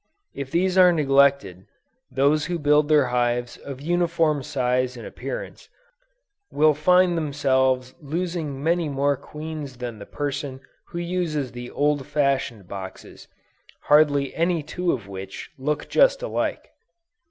If these are neglected, those who build their hives of uniform size and appearance, will find themselves losing many more queens than the person who uses the old fashioned boxes, hardly any two of which look just alike.